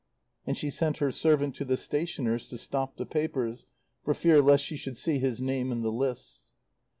And she sent her servant to the stationer's to stop the papers for fear lest she should see his name in the lists.